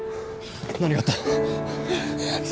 何があった！？